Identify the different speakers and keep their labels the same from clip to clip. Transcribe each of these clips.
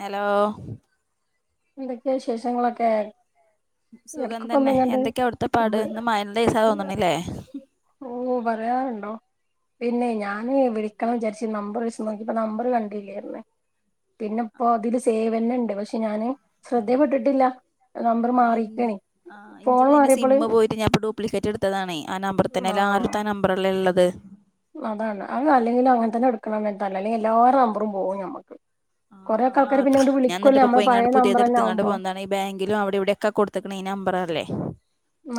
Speaker 1: Hello
Speaker 2: എന്തൊക്കെയ വിശേഷങ്ങളൊക്കെ
Speaker 1: സുഖം തന്നെ
Speaker 2: എടക്കൊക്കെങ്ങാണ്ട്
Speaker 1: എന്തൊക്കെയാ അവിടുത്തെ പാട് എന്ന് മയയുള്ള ദിവസാ തോന്ന്ണുല്ലേ
Speaker 2: ഓ പറയാറുണ്ടോ പിന്നെ ഞാന് വിളിക്കണം വിചാരിച്ച് നമ്പർ വിളിച്ച്നോക്കിപ്പ നമ്പറ് കണ്ടില്ലായിരുന്നേ പിന്നെ ഇപ്പൊ അതില് സേവന ഇണ്ട് പക്ഷെ ഞാന് ശ്രദ്ദേപ്പെട്ടിട്ടില്ല നമ്പർ
Speaker 1: ആ ഇൻ
Speaker 2: മാറീക്കാണെ ഫോണ് മാറിയപ്പോള്
Speaker 1: ഡ്യൂപ്ലിക്കേറ്റെടുത്തതാണേ ആ നമ്പർ തന്നെ ആദ്യത്തെ ആ നമ്പറല്ലേ ഉള്ളത്
Speaker 2: അതാണ് അ അല്ലെങ്കിലും അങ്ങനെത്തന്നെടുക്കണം അല്ലെൽ എല്ലാര് നമ്പറും പോവും നമ്മുക്ക് കൊറേ
Speaker 1: ആ ഞാഎന്നിട്ട് ഇപ്പപ്പോയിങ്ങാട്ണ്ട്
Speaker 2: തന്നെ
Speaker 1: പുതിയതെട്ത്തുങ്ങാണ്ട്
Speaker 2: ആവുമ്പോ
Speaker 1: പോന്നതാണ് ഈ ബാങ്കിലും അവിടെവിടെക്കെ കൊടുക്കണ ഈ നമ്പറാ അല്ലെ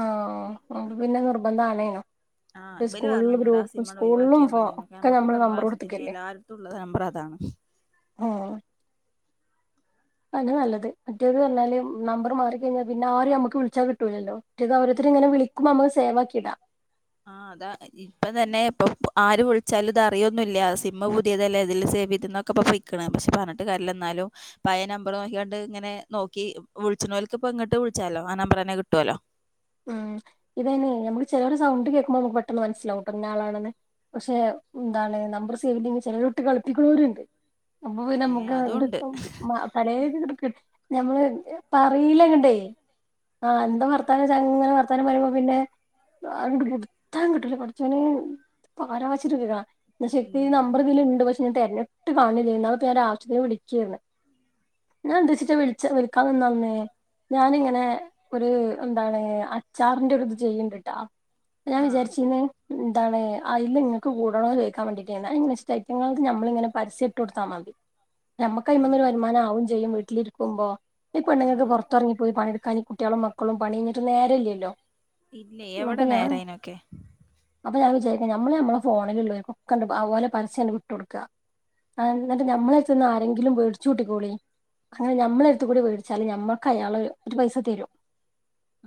Speaker 2: ആ അതോണ്ട് പിന്നെ നിർബന്ധാണേനു
Speaker 1: ആഹ് ഇബല് പറഞ്ഞൂഞ്ഞോട് ആ
Speaker 2: ഫോ
Speaker 1: സിമ്മങ്ങ്ണ്ടൊഴിവാക്കിയാമതിന്ന്
Speaker 2: ഒക്കെ
Speaker 1: നമ്മക്കിപ്പ
Speaker 2: നമ്മള് നമ്പർ
Speaker 1: നമ്മളാവശ്യത്തിന്
Speaker 2: കൊടുത്തിക്കല്ലേ
Speaker 1: എല്ലാര്ട്ത്തുള്ള നമ്പർ അതാ താണ്
Speaker 2: ആ അതാ നല്ലത് മറ്റേത് പറഞ്ഞാല് നമ്പർ മാറിക്കഴിഞ്ഞാ പിന്നെ ആരെ നമ്മുക്ക് വിളിച്ചാൽ കിട്ടൂലല്ലോ മറ്റേത് അവര്ത് ങ്ങനെ വിളിക്കുമ്പൊ നമ്മള് സേവാക്കിടാം
Speaker 1: ആഹ് അതാ ഇപ്പംതന്നെ ഇപ്പൊ ആര് വിളിച്ചാലും ഇതറിയോന്നുല്ല സിമ്മ് പുതിയതല്ലേ ഇതിൽ സേവെയ്തുന്ന ഫേക്കാണ് പക്ഷെ പറഞ്ഞിട്ട് കര്യല്ല എന്നാലും പയനമ്പറ് നോക്കിക്കൊണ്ട് ഇങ്ങനെ നോക്കി വിളിച്ച്ണോൽക്ക്പ്പ പ്പ്ങ്ങ്ട്ട് വിളിച്ചാലോ ആ നമ്പറന്നെ കിട്ടുവല്ലോ
Speaker 2: ഉം ഇതന്നെ നമ്മക്ക് ചിലരുടെ സൗണ്ട് കേൾക്കുമ്പോ നമുക്ക് പെട്ടെന്ന് മനസ്സിലാവുംട്ട ഇന്ന ആളാണെന്ന് പക്ഷെ എന്താണ് നമ്പർ സേവ്ണ്ടെങ്ങെ ചിലരോട്ട് കളിപ്പിക്കുന്നോരുണ്ട് അപ്പ പിന്നെ
Speaker 1: ഏഹ്
Speaker 2: മുഖം
Speaker 1: അതുണ്ട്
Speaker 2: എട്ക്കും [unintelligible] ഞമ്മള് പറയിലങ്ങ്ണ്ടേ ആ എന്താ വർത്താനം ങ്ങനെ വർത്താനം പറയുമ്പോ പിന്നെ അണ്ട് കൊടുത്താൻ കിട്ടൂല പടച്ചോനേ ഇപ്പരാവെച്ച്ട്ട്വരാ എന്ന ശെരിക്കി
Speaker 1: ഉം
Speaker 2: നമ്പർ ഇതിലണ്ട് പക്ഷെ ഞാൻ തെരഞ്ഞിട്ട് കാണണില്ല ഇതിന്ന് ഞാൻ ആവശ്യത്തില് വിളിക്കായിരുന്നു ഞാൻ എന്തേച്ചിട്ടാ വിളിച്ച എട്ക്കാത്ന്നാളഞ്ഞേ ഞാനിങ്ങനെ ഒരു എന്താണ് അച്ചാറിന്റെ ഒരിത് ചെയ്യ്ണ്ട്ട്ടാ ഞാൻ
Speaker 1: ആഹ്
Speaker 2: വിചാരിച്ചിന്ന് എന്താണ് അയില് നിങ്ങക്ക് കൂടണോ ചോദിക്കാൻവേണ്ടിട്ടായിരുന്നു ഇങ്ങന ഐറ്റങ്ങൾക്ക് നമ്മളിങ്ങനെ പരസ്യെട്ട് കൊടുത്താമതി
Speaker 1: [inaudible] തന്നെ
Speaker 2: നമ്മുക്കവ്മന്നൊരു വരുമാനാവും ചെയ്യും വീട്ടിലിരിക്കുമ്പോ ഈ പെണ്ണ്ങ്ങക്ക്
Speaker 1: ആഹ്
Speaker 2: പുറത്തെറങ്ങിപ്പോയി പണി ക്കയ്ന് കുട്ട്യാളും മക്കളും പണിം കഴിഞ്ഞിട്ട് നേരല്ലല്ലോ
Speaker 1: ഇല്ല
Speaker 2: അപ്പൊ
Speaker 1: എവിടെ
Speaker 2: ഞാൻ
Speaker 1: നേരയ്നൊക്കെ
Speaker 2: അപ്പൊ ഞാൻ വിചാരിക്കും നമ്മള് നമ്മള ഫോണിലുള്ളോർകൊക്കണ്ട് ഓലെ പരസ്യംണ്ട് വിട്ടുക കൊടുക്കുക ആ എന്നട്ട് ഞമ്മളട്ത്ത്ന്ന് ആരെങ്കിലും വേടിച്ചൂട്ടിക്കോളി അങ്ങനെ ഞമ്മളട്ത്തു കൂടി മേടിച്ചാല് ഞമ്മക്ക് അയാൾ ഒരു പൈസ തരും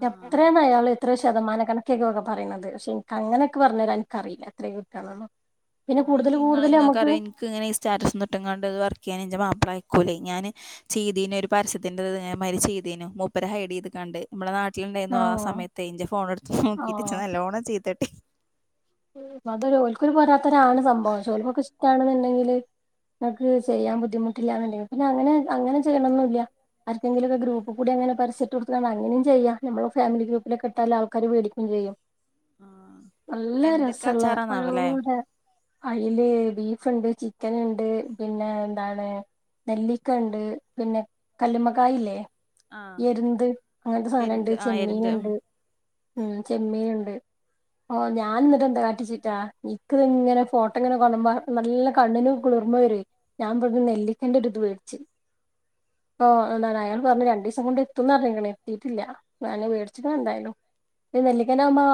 Speaker 1: ആഹ്
Speaker 2: എത്രേണയാൾ എത്ര ശതമാനകണക്ക് ക്കക്കെ പറയണത് പക്ഷെ എനക്ക് അങ്ങനൊക്കെ പറഞ്ഞരാൻ എനിക്കറീല്ല എത്രേണെന്ന്
Speaker 1: ആ് ഇനി നിങ്ങൾ ഇങ്ങക്കറിയ എനിക്ക ഇങ്ങനെ സ്റ്റാറ്റസിട്ടും കാണ്ട് വർക്ക് ചെയ്യാൻ എൻന്റെ മാപ്ലയയക്കു ആലെ ഞാന് ചെയ്തേന ഒരു പരസ്യത്തിന്റെമാതിരി ചെയ്തേന മൂപ്പരെ ഹൈഡെയ്ത് കാണ്ട് നമ്മുടെ നാട്ടി ണ്ടേനു ആ സമയത്ത് ൻ്റെ ഫോൺ എടുത്ത നോക്കീട്ട് ച്ച് നല്ലോണം ചീത്തട്ടി
Speaker 2: അതൊൽക്കൂര് പോരാത്തരാണ് സംഭവം ചോല്പ്പൊക്കെ ഇഷ്ടണെന്നുണ്ടെങ്കില് ങ്ങക്ക് ചെയ്യാൻ ബുദ്ധിമുട്ടില്ലാന്നുണ്ടെങ്കിൽ പിന്നെ അങ്ങനെ അങ്ങനെ ചെയ്യണൊന്നുല്ല്യ ആർക്കെങ്കിലുംക്കെ ഗ്രൂപ്പ്ക്കൂടിങ്ങനെ പരസ്യട്ട് കൊടുത്ത് കാണ്ട് അങ്ങനും ചെയ്യാം നമ്മള ഫാമില ഗ്രൂപ്പിലക്കെട്ടാൽ ആൾക്കാര് വേടിക്കും ചെയ്യും
Speaker 1: ആഹ്
Speaker 2: നല്ല
Speaker 1: എന്തൊക്കെ
Speaker 2: രസുള്ള ഓരോ
Speaker 1: അച്ചാറാന്നാവല്ലേ
Speaker 2: അയ്ല് ബീഫ് ണ്ട് ചിക്കൻ ഉണ്ട് പിന്നെ എന്താണ് നെല്ലിക്ക ഉണ്ട് പിന്നെ കല്ല്മകായല്ലേ
Speaker 1: ആഹ്
Speaker 2: എരുന്ത് അങ്ങനത്തെ സാധനണ്ട്
Speaker 1: എരുന്ത് ആഹ് എരുന്ത് ഉം
Speaker 2: ചെമ്മീന്ണ്ട് ഉം ചെമ്മീന്ണ്ട് ഓഹ് ഞാ ഞാൻ എന്നിട്ട എന്താ കാട്ടിച്ചിട്ടാ നിക്ക ഇത്ങ്ങനെ ഫോട്ടോങ്ങനെ കാണ്മ്പോ നല്ല കണ്ണിനും കുളിർമ വരും ഞാൻ പറഞ്ഞ നെല്ലിക്കണ്ട ഒരു ഇത് വേട്ച്ചു
Speaker 1: ഹ [inaudible]
Speaker 2: ഓ് ന്താണ്ട് അയാള് പറഞ്ഞു രണ്ടു ദിവസം കൊണ്ട് എത്തും ന്ന്റിഞ്ഞ ക്ക്ണ്. എത്തീട്ടില്ല ഞാൻ മേടിച്ച് ക്ക്ണെന്തായാലും നെല്ലിക്കൻ്റാവുമ്പോ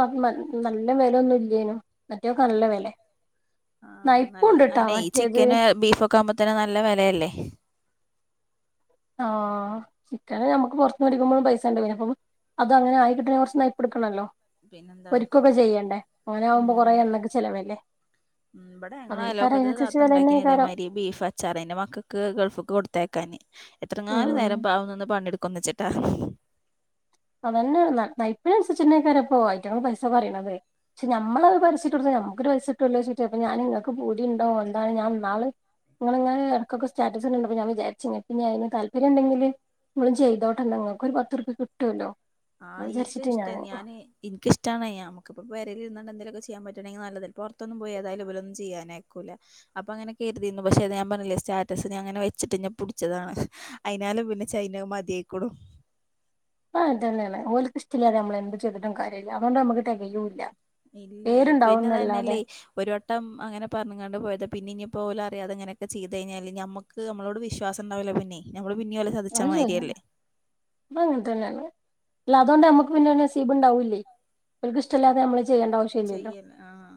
Speaker 2: നല്ല വിലൊന്നും ഇല്ലേനൂ മറ്റേക്ക നല്ല വില
Speaker 1: ആഹ്
Speaker 2: നയിപ്പുണ്ട്ട്ടാ മറ്റേത്
Speaker 1: ൻക്കാപോവ്ത്തന്നെ നല്ല വിലയല്ലേ
Speaker 2: ആഹ ചിക്കന് ഞമ്മക്ക് പൊറത്ത് മേടിക്കുമ്പോ പൈസ ഉണ്ട പിന്നപ്പം അത അങ്ങനെ ആയിക്കിട്ടണെ കുറച്ച് നയിപ്പെട്ക്കണല്ലോ
Speaker 1: പിന്നെന്താ
Speaker 2: ഒരിക്കൊക്കെ ചെയ്യണ്ടേ അങ്ങന നാകുമ്പോ
Speaker 1: ഉം
Speaker 2: കൊറെേ എണ്ണക്കെ ചെലവല്ലേ
Speaker 1: ഇവിടെ ഞങ്ങളെ
Speaker 2: അതേക്കാരം
Speaker 1: അയ്ലോക്കത്ത്
Speaker 2: അയിനനുസരിച്ച്
Speaker 1: താത്ത ഉണ്ടാക്കി
Speaker 2: വെലന്നെയ്ക്കാരം
Speaker 1: ഇതേമാതിരി ബീഫ് അച്ചാറ് ന്റെ മക്കൾക്ക് ഗൾഫ്ക്ക് കൊടുത്തയ്ക്കാന് എത്രങ്ങാനും
Speaker 2: ഉം
Speaker 1: നേരം പാവന്ന് പണി എട്ക്കുംന്ന്ച്ച്ട്ടാ
Speaker 2: അതന്നെ നൈപ്പിനനുസരിച്ചെന്നെക്കാര്പ്പോ ഐറ്റങ്ങൾ പൈസ പറയണത് പക്ഷെ നമ്മളത് പരിസ്യട്ടൊട്ത്താ നമുക്കൊരു പൈസട്ടല്ലോ വെച്ചിട്ട് അപ്പോ ഞാൻ ഇങ്ങക്ക് പൂതിണ്ടോ ന്താണ് ഞാൻ ന്നാള് ഇങ്ങള് ഇങ്ങെ ഇടക്കൊക്കെ സ്റ്റാറ്റസിട്ണ്ട അപ്പോ ഞാൻ വിചാരിച്ച് പിന്നെ അയിന് താല്പര്യം ഇണ്ടെങ്കില് ഇങ്ങള് ചെയ്തോട്ടണ്ടണ്ട് നിങ്ങക്കൊരു പത്തുർപ്യ കിട്ട്
Speaker 1: ആഹ് എനിക്ക് ഇഷ്ട ഞാന് എനിക്കിഷ്ടാണേ നമക്കിപ്പ പെരേലിരുന്നാ എന്തെലൊക്കെ ചെയ്യാൻ പറ്റുണെ നല്ലതെ പുറത്തൊന്നും പോയി ന് ഏതായാലും ഇവലൊന്നും ചെയ്യാനയ്ക്കൂല അപ്പൊങ്ങനെ കരുതിനു പക്ഷേ ഞാ ഞാൻ പറഞ്ഞില്ലേ സ്റ്റാറ്റസ് ഞ അങ്ങനെ വെച്ചിട്ട് ന്നെ പുടിചതാണ് അയ്നാല് പിന്നെ ചൈനാ മതിയായിക്ക്ണു ഉം
Speaker 2: ആഹ് അതന്നെയാണ് ഓല്ക്കിഷ്ടില്ലാതെ നമ്മള് എന്ത് ചെയ്തിട്ടും കാര്യല്ല അതുകൊണ്ട് നമ്മക്ക് തെകയുല്ല്യ
Speaker 1: ഇല്ലേ പിന്നെ അതന്നല്ലേ ഒരു വട്ടം അങ്ങനെ പറഞ്ഞങ്ങാണ്ട് പോയത് പിന്ന ഇഞ്ഞിപ്പോ ഓലറിയാതെങ്ങനൊക്കെ ചെയ്തയ്ഞ്ഞാല് നമക്ക് നമ്മളോട് വിശ്വാസംണ്ടാവൂല്ല പിന്നെ മ്മള് ചതിച്ച മാരിയല്ലേ
Speaker 2: അപ്പൊ അങ്ങെൻ തന്നെണ് അല്ല അതൊണ്ട് നമ്മുക്ക് പിന്നൊരു നസീബ് ണ്ടാവൂല്ലേ ഓല്ക് ഇഷ്ടല്ലാതെ നമ്മ
Speaker 1: ചെയ്യല്ലേ ആഹ്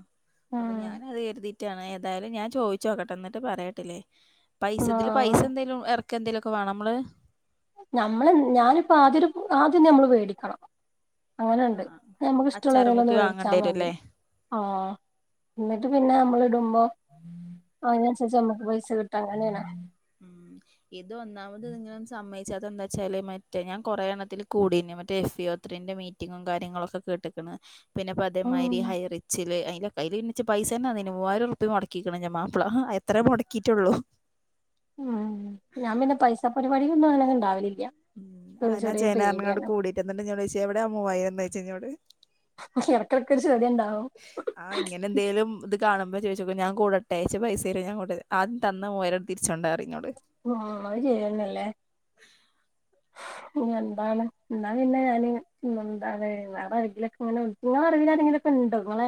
Speaker 1: അപ്പൊ ഞാൻ
Speaker 2: ഉം
Speaker 1: അത് കരുതീട്ടാണ് ഏതായാലും ഞാൻ ചോയ്ച്ചോക്കട്ടെ എന്നിട്ട് പറയട്ടില്ലേ പൈസ ഇതില്
Speaker 2: ആഹ്
Speaker 1: പൈസന്തേലും ഇറക്കെന്തെങ്കിലൊക്കെ വേണ മ്മള്
Speaker 2: നമ്മളെ ഞാനിപ്പോ ആദ്യം ആദ്യം നമ്മള് മേടിക്കണം അങ്ങനെയുണ്ട്
Speaker 1: ആഹ്
Speaker 2: നമുക്ക്
Speaker 1: അച്ചാറും
Speaker 2: ഇഷ്ടുള്ളൊരണ്ണെന്ന്
Speaker 1: കുപ്പി
Speaker 2: മെട്ച്ചാൽ
Speaker 1: വാങ്ങേണ്ടി വരും
Speaker 2: മതി
Speaker 1: അല്ലേ
Speaker 2: ആഹ് ന്നിട്ട് പിന്നെ നമ്മൾ ഇടും മ്പോ അതിനനുസരിച്ച് നമ്മക്ക് പൈസ കിട്ട അങ്ങനെ ണ്
Speaker 1: ഉമ് ഇത് ഒന്നാമത് ഇങ്ങന സമ്മ ച്ച് അതെന്താ വച്ചാല് മറ്റേ ഞാൻ കൊറെ എണ്ണത്തിൽ കൂടിന്നു മറ്റേ എഫ് ത്രിന്റെ മീറ്റിങ്ങും കാര്യങ്ങളുംക്കെ കേട്ട്ക്ക് ണ് പിന്നെ പ്പ
Speaker 2: ഉം
Speaker 1: അതേമാതിരി ഹൈ റി ച്ചില് [unintelligible] മൂവായിരർപ്യാ മുടക്കിക്ക് ണ് ഞാൻ മാപ്പള എത്രേ മുടക്കയിട്ടുള്ളൂ
Speaker 2: ഉമ് ഞാൻ പിന്നെ പൈസ പരിപാടികൊന്നും അങ്ങനെ ഇണ്ടാവലില്ല
Speaker 1: ഉമ് ആനാ ചേനറിനോട് കൂടിക്ക എന്നിട്ട് എന്നോട് ചോയ്ച്ച എവിടെയാ ആ മുവായിരം ചോയ്ച്ച യിന്നോട്
Speaker 2: ഇടക്കിടക്ക് ഒരു ചെടി ഉണ്ടാവും
Speaker 1: ആഹ് ഇങ്ങനെ എന്തെലും ഇത് കാണുമ്പോ ചെയ്ച്ചപ്പെ ഞാൻ കൂടെട്ടേ ച്ച് പൈസ തരോ ഞാ കൂ ആദ്യം തന്ന മുവായിരം തിരിച്ചുണ്ട പറിം
Speaker 2: ആഹ് അത് ശരിയാന്നെല്ലേ ഇനി എന്താണ് ന്നാ ഞ പിന്നെ ഞാന് എന്താണ് വേറെ ആരെങ്കിലൊക്കെ ഇങ്ങനെ നിങ്ങള അറിവിലരെങ്കിലൊക്കെ ഉണ്ടോ നിങ്ങളെ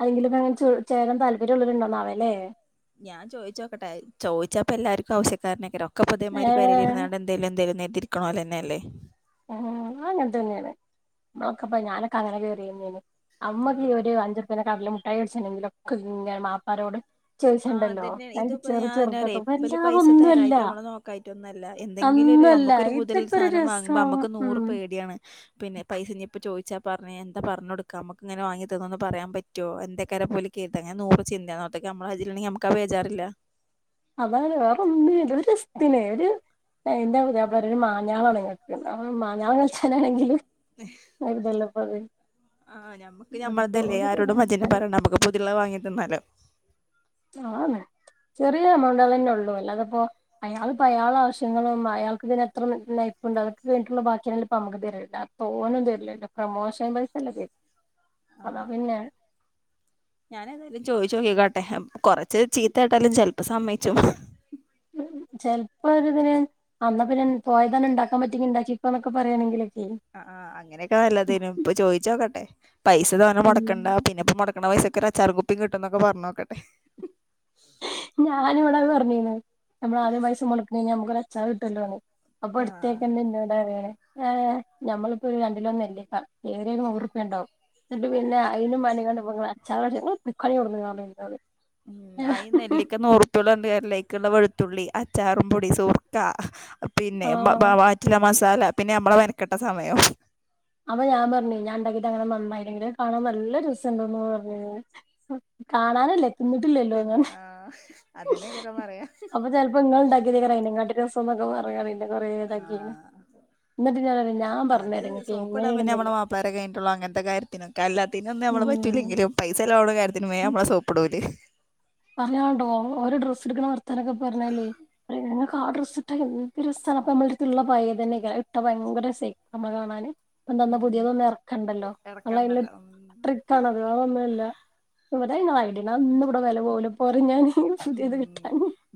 Speaker 2: ആരെങ്കിലൊക്കെ ഇങ്ങനെ ചേ ചേരാൻ താല്പര്യള്ളര് ഉണ്ടോന്നാവേ ല്ലേ
Speaker 1: ഞാൻ ചോദിച്ചോക്കട്ടെ ചോദിച്ചാപ്പ എല്ലാർക്കും ആവശ്യക്കാരനെക്കാരം ഒക്കെ ഇദ്ദേമാരി
Speaker 2: ഏഹ്
Speaker 1: പേരെലിരുന്ന് ന്നാണ്ട് എന്തേലും എന്തലും കരുതി ഇരിക്കുന്നോലെന്നെ ല്ലേ
Speaker 2: ആഹ് അങ്ങൻ തന്നെയാണ് നമ്മളൊക്കെപ്പ ഞാനൊക്കെ അങ്ങന കേറി തന്നെന്ന് അമ്മക്ക് ഈ ഒരു അഞ്ചുർപന്റെ കടല മുട്ടായി മെടിച്ചെണങ്കിലൊക്കെ മാപ്പാള്ള രോട്
Speaker 1: ആഹ് അതന്നെ ഇതുപ്പോ ഞാൻ റയെ ഇബല് പൈസ
Speaker 2: വല്ലാതൊന്നുമല്ല
Speaker 1: തരായ്ട്ടോ നമ്മളെ നോക്കായ്ട്ടോ ഒന്നുല്ല എന്തെങ്കിലും ന്തെങ്കിലൊരു
Speaker 2: അന്നല്ല
Speaker 1: നമുക്ക് ഒരു പൂതിള്ളെ
Speaker 2: ഇതൊക്കെ ഒരു
Speaker 1: സാനം വാങ്ങുമ്പോ
Speaker 2: രസം
Speaker 1: അമ്മക്ക് നൂറ്
Speaker 2: ഉം
Speaker 1: പേടി ആണ് പിന്നെ പൈസ ഇപ്പോ ചോയ്ച്ചാ പർന്നെ എന്താ പറഞ് കൊട്ക്ക അമ്മക്ക്ങ്ങനൊ വാങ്ങി തന്ന് പറയാൻ പറ്റോ എന്തെക്കാരം പ്പോ ഓല് കേര്താ അങ്ങനെ നൂറ് ചിന്തെ നോട്ട നമ്മളെ കൈജ്ജ്ല്ണ്ടെങ്കി നമുക്ക് ആഹ് ബോജാറില്ല
Speaker 2: അതാണ് വേറെ ഒന്നിനും അല്ല ഒരു രസ്ത്തിന് ഒരു എന്റെ പുതിയാപ്പിള പറയും ഒരു മാഞ്ഞാളാണ് ഇങ്ങക് ഞാൻ മഞ്ഞാളം കൾച്ചാനാണെങ്കില് അര് തല്ലപ്പത്
Speaker 1: ആഹ് ഞമ്മക്ക് നമ്മൾതല്ലേ ആരോടും
Speaker 2: തരാൻ
Speaker 1: വജ്നെ
Speaker 2: മുട്ടായി
Speaker 1: പറയണ്ട നമ്മുക്ക് പൂതിള്ളത് വാങ്ങി തിന്നാലോ
Speaker 2: ആന്ന് ചെറിയ എമൗണ്ടാളെന്നെ ഒള്ളൂ അല്ലാതപ്പോ അയാള് പ്പ അയാളെ ആവശ്യങ്ങളും അയാൾക്ക് പിന്നെ എത്ര [unintelligible] പ്പ് ഉണ്ടാവും അതോക്കെ കഴിഞ്ഞിട്ടോള്ളു ബാക്കില്ലെ ഇപ്പ നമുക്ക് തെരോള്ളു തോനെന്നും തരില്ലല്ലോ പ്രൊമോഷൻ പൈസല്ലേ കി അതാ പിന്നെ
Speaker 1: ഞാന് എതായാലും ചോയ്ചോക്കിക്കോട്ടെ കൊറച്ച് ചീത്ത കേട്ടാലും ചെലപ്പം സമ്മയ്ച്ചും [inaudible]
Speaker 2: ചെലപ്പോ ഒരുരിതിന് അന്ന പിന്നെ പോയതന്നെ ഉണ്ടാക്കാൻ പറ്റിയെങ്കി ഉണ്ടാക്കിക്കെ പറയാണെങ്കില്
Speaker 1: ആആ അങ്ങനെയൊക്കാ നല്ലതെന്നു ഇപ്പൊ ചോദിച്ചോക്കട്ടെ പൈസ തോനെ
Speaker 2: ഉം
Speaker 1: മുടക്കണ്ട പിന്നെ ഇപ്പൊ മുട വെക്കാന പൈസൊക്കെ ഒരു അച്ചാർ കുപ്പി കിട്ടും എന്നൊക്കെ പറഞ്ഞോക്കട്ടെ
Speaker 2: ഞാനി ഇവിടെ പറഞ്ഞീന്ന് നമ്മള ആദ്യം പൈസ മൊടകീനിൻ നമ്മുക്ക്ഒരു അച്ചാർ കിട്ടല്ലോണ് അപ്പൊ
Speaker 1: ആ
Speaker 2: ഇടുത്തേക്ക ന്നെഇന്നോട് പറയേണ് ഏ നഞമ്മളിപ്പോഒരു രണ്ടിലോ നെല്ലിക്ക ഏറൽ ഒരു നൂറ്ുപ്പ്യ ഉണ്ടാവും എന്നിട്ട് പിന്നെ അയിനും മണ്ടി കണ്ട് അച്ചാർ വാങ്ങനിങ്ങൾ പോയ്ക്കണി ആവുട്ന്ന് പറിം ഇന്നോട്
Speaker 1: ഉം ആയി ഈ നെല്ലിക്ക നുറുപ്പള്ളൂ പറഞ്ഞിട്ട് കാര്യല്ല ഐക്കുള്ള വെളുത്തു ത്തുള്ളി അച്ചാറുംപൊടി സുർക്ക പിന്നെ ബ ബ
Speaker 2: ആഹ്
Speaker 1: വാറ്റില ല പിന്നെ നമ്മള മെൻക്കട്ട സമയം
Speaker 2: അപ്പൊ ഞാൻ പറഞ്ഞ ഞാൻ ഉണ്ടാക്കിട്ട് അങ്ങനെ നന്നായില്ലെങ്കിലും അഹ് കാണാൻ നല്ല രസംുണ്ടോന്ന് പറഞ്ഞ കാണാനല്ലേ
Speaker 1: തിന്ന്
Speaker 2: തിന്നട്ടിലല്ലോന്നറഞ്ഞു
Speaker 1: ആ അതന്നെക്കാരം പറയാ
Speaker 2: അപ്പൊ ചിലപ്പോ ഇങ്ങണ്ടാക്കിയതേക്കാരം ഐനികാറ്റി രസം ന്നൊക്കെ പറഞ്ഞ് കണ്ട് ഇന്നെ കൊറെ തൊക്കെയന്ന്
Speaker 1: ആ
Speaker 2: എന്നിട്ട് ഞൻ ഞാൻ പറഞ്ഞഞ്രങ്ങ
Speaker 1: സോപ്പിടാ പിന്നെ നമ്മള മാപ്പിളാ രെ കഴിഞ്ഞട്ടുള്ളോ അങ്ങത്തൊര്ത്തിനൊക്കെ എല്ലാത്തിനൊന്നും നമ്മ
Speaker 2: ഉം
Speaker 1: പറ്റില്ലെങ്കിലും പൈസ ചെലവാവുന്ന കാര്യത്തിൽ ത്തിന് വെ നമ്മളെ സോപ്പിട്ടുഓല്
Speaker 2: പറയാനണ്ടോ ഒരു ഡ്രസ് എക്കണ വർത്താനൊക്കെ പറഞ്ഞല് [unintelligible] ആ ഡ്രസ്സ് ട്ടാൽ എന്തൊരു രസംണ് അപ്പ നമ്മള്ളത്ത് ഇള്ള പയ തന്നെക്കാരം അയിട്ടാ ഭയങ്കരസ നമ്മള് കാണാൻ ഇപ്പൊ തന്ന
Speaker 1: ഉം
Speaker 2: പുതിയതൊന്നും ഇറക്കണ്ടല്ലോ നല്ല
Speaker 1: എടക്കണ്ടല്ലോ
Speaker 2: അതി
Speaker 1: ഉം
Speaker 2: ട്രിക്ക് ആണത് വേറെതൊന്നുല്ല ഇത നിങ്ങളായിട്ട അന്ന ഇവിടെ വില പോല പോറ ഞാൻ [unintelligible]
Speaker 1: ഉ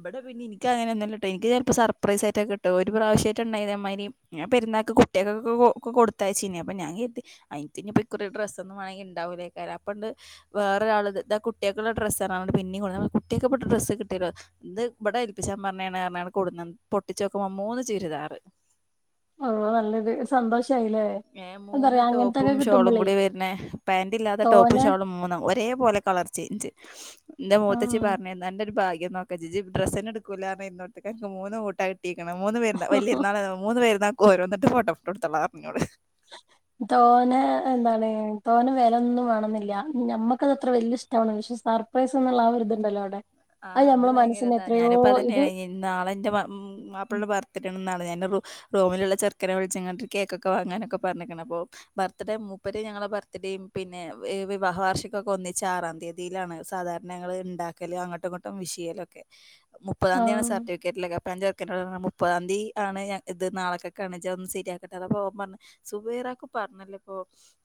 Speaker 1: ഇവിടെ പിന്നെ എനിക്ക അങ്ങനെ ഒന്നുമില്ലാട്ടോ എനിക്ക്ഞാൻ ഇപ്പൊ സർപ്രൈസ്ആയിട്ടെ കിട്ടും ഒരു പ്രാവശ്യമായിട്ട് ഉണ്ടായ ഇതെ മാതിരി പെരുന്നാൾ ക്ക് കുട്ടിൾക്കൊക്കെകൊടുത്തയച്ച ഇനു അപ അപ്പോ ഞാൻ കേട്ടു ഇക്കുറി ഡ്രസ് ഒന്നും വാങ്ങണ്ട അപ്പോണ്ട് വേറെ ഒരാള് ഇതാ കുട്ടി ക്കുള്ള ഡ്രസ്സാണ് അതു കൊണ്ട് പിന്നെ കൊടു കുട്ടിയൊക്കെട്ട ഡ്രസ്സ് കിട്ടല്ലോ ഇവിടെ ഏൽപ്പിച്ചാ പറഞ്ഞഞ്ഞ കൊടുന്ന് പൊട്ടിച്ച് നോക്കുമ്പോ മൂന്ന് ചുരിദാർ ആറ്
Speaker 2: ഓ നല്ലത് സന്തോഷം
Speaker 1: ഏ മൂന്ന് ടോപ്പും ഷോളും
Speaker 2: കിട്ടുമ്പളേ
Speaker 1: കൂടി വരുന്നെ പാന്റ് ഇല്ലാത്ത ടോപ്പും
Speaker 2: തോനെ
Speaker 1: ഷോളും മൂന്നും ഒരേ പോലെ കളർ ചേഞ്ച് എന്റെ മൂത്തച്ചി
Speaker 2: ആഹ്
Speaker 1: പറഞ്ഞ അന്റെ ഒരു ഭാഗ്യം നോക്കാച്ചി ഡ്രസ്ന്നെ എടുക്കൂല്ലാന്നറിഞ്ഞിട്ട് അൻക്ക് മൂന്ന് കൂട്ടായിട്ട് ന്ന്േരന. കോര വന്നട്ട ഫോട്ടോട്ടടുോള [unintelligible] പറഞ്ഞോട്
Speaker 2: തോന എന്താണ് തോന വ ഇതൊന്നും വേണമെന്നില്ല നമുക്ക് വലിയ ഇഷ്ടമാണ് പക്ഷെ സർപ്രൈസ്ന്നുള്ള ആ ഒരു ഇതുണ്ടല്ലോ അവിടെ
Speaker 1: ആ അത്
Speaker 2: നമ്മളെ മനസ്സിന്
Speaker 1: ഭയങ്കരതാ
Speaker 2: എത്രയോ
Speaker 1: ഞാനിപ്പ അതന്നെ
Speaker 2: ഇത്
Speaker 1: നാളെ എന്റെ മാപ്പിള ബർത്ത് ടേണ് ണ് റൂമിലുള്ള ചെറുക്കനെ വിളിച്ച് ഒരു കേക്കൊക്കെ വാങ്ങാനൊക്കെ പറഞ്ഞേക്കണ് അപ്പൊ ബർത്ത്ഡേ മുപ്പ ഞങ്ങളുടെ ബർത്ത് ഡേയും പിന്നെ വിവാഹ വാർഷിക മൊക്കെ ഒന്നിച്ച് ആറാം തീയതിയിലാണ് സാധാരണ ഞങ്ങൾ ഉണ്ടാക്കല് അങ്ങട്ട് വിഷയലൊക്കെ മുപ്പതാം തീയാണ്
Speaker 2: ആഹ്
Speaker 1: സർട്ടിഫിക്ക ലൊക്കെ ഇപ്പ ചക്ക മുപ്പതാം തീയതി ആണ് ഇത് നാളെക്കൊണ് ശരിയാക്കട്ടെ അ പോകു സുബൈറി ത പറഞ്ഞല്ലോ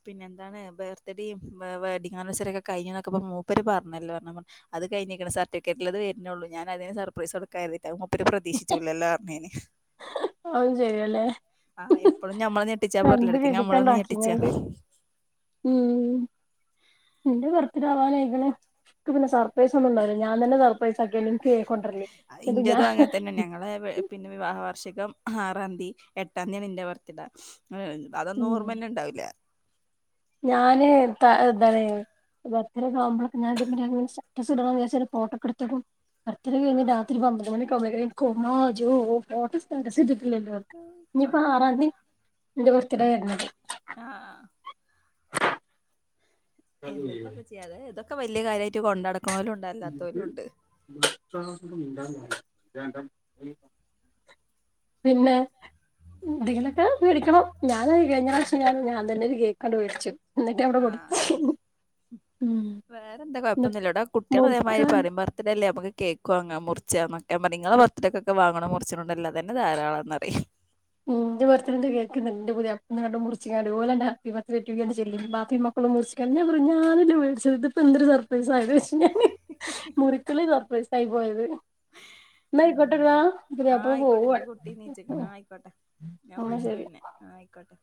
Speaker 1: പിന്നെ എന്താണ് ബർത്ത്ഡേയും വെഡ്ഡിംഗാനസറിയും. കഴിഞ്ഞക്ക മൂപ്പ പറഞ്ഞല്ലോ അത് കഴിഞ്ക്ക്ണ് ഫിക്കറ്റിൽത് വരുന്നുയള്ളൂ ഞാന അതിന് സർപ്രൈസ് കൊടുക്കായിരുന്ന താ പ്രതീക്ഷിച്ചില്ലല്ലോ ന്നറിഞ്ഞ് ഞാന്
Speaker 2: [unintelligible]
Speaker 1: ആഹ എപ്പോഴും ഞമ്മള ഞെട്ടിച്ചാ
Speaker 2: രണ്ട്
Speaker 1: പൊരളെടുക്കും ഞമ്മളൊന്ന് ഞെട്ടിച്ചാ
Speaker 2: രീതിക്കണ്ടാക്കിങ്ങാണ്ട് ഉം എന്റെ ബർത്ത്ഡേ പിന്നെ സർപ്രൈസ് ഒന്നും ഉണ്ടായില്ല ഞാൻ തന്നെ സ പൈസക്ക നി കേക്കണ്ടലി എ ഞാൻ
Speaker 1: ഇന്റതും അങ്ങനെ തന്നെ ഞങ്ങളെ
Speaker 2: [unintelligible]
Speaker 1: പിന്നെ വിവാഹ വാർഷികം ആറാം തീയതി എട്ടാം തീയതി എന്റെ ബർത്ത്ഡാ അതൊന്നും
Speaker 2: ഉം
Speaker 1: ഓർമ്മ തന്നെ ഉണ്ടാവൂല്ല
Speaker 2: അതെ ബർത്ത്ഡേക്കാവുമ്പോ ഞാൻ സ്റ്റാസ് ഇടാംവിചാരിച്ചിട്ട് ഫോട്ടക്കെ എടുത്തപ്പോ പർത്ത കഴിഞ്ഞ് രാത്രി പന്ത്രണ്ട് മണികുമ്പഴിഞ് കൊമാോട്ട [unintelligible] ഇനിയിപ്പോ ആറാം തീയതി എന്റെ ബർത്ത്ഡേ വരുന്നുണ്ട്
Speaker 1: ആ എന്നത്തെപ്പ ചെയ്യാതെ ഇതൊക്കെ വലിയ കാര്യമായിട്ട് കൊണ്ട നടക്കണം
Speaker 2: ഇണ്ട രണ്ട [unintelligible] പിന്നെ ഇന്തനൊക്കെ മേടിക്കണം ഞാൻ കഴിഞ്ഞ ആ ഞാൻ തന്നെ ഒരു കേക്കണ്ട് മേടിച്ചു എന്നിട്ട് അവിടെ
Speaker 1: ആ
Speaker 2: കൊടുത്ത എന്നിട്ട്
Speaker 1: അത മാതിരി
Speaker 2: മുറിക്കാൻ
Speaker 1: പറയും ബർത്ത്ഡേ മ്മക്ക് കേൾക്കും മുറിച്ചക്കാ നിങ്ങളെ ബർത്ത്ഡേക്കൊണണം മുറിച്ച എല്ലാ തന്നെ ധാരാളം എന്നറിയാം [inaudible]
Speaker 2: എന്റെ ബർത്ത്ഡണ്ട് കേൾക്കുന്നു എന്റെ പുതിയപ്പന്ന് കണ്ട് മുറിച്ചിക്കാണ്ട് പോലണ്ട് ബർത്ത് ചെല്ല ബപ്പി മക്കളും മുറിച്ചിക്കണ്ട് ഞാ കുറഞ്ഞാനെ വേടിച്ചത് ഇതിപ്പൊ എന്തൊരു സർപ്രൈസ ആയത് പക്ഷേ ഞാൻ മുറിക്കുള്ളി സർപ്രൈസ് ആയി പോയത്
Speaker 1: ഉം
Speaker 2: ന്നായിക്കോട്ടേന്നാ
Speaker 1: ആഹ്
Speaker 2: അപ്പം
Speaker 1: ആയിക്കോട്ടെ
Speaker 2: പോകുവാ
Speaker 1: എന്റെ കുട്ടി നീച്ചിക്കണ് ആഹ് ആയിക്കോട്ടെ ഞാൻ വിളിച്ച പിന്നെ ആ ആയിക്കോട്ടെ